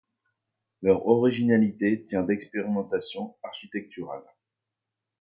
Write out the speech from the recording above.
Leur originalité tient d’expérimentations architecturales.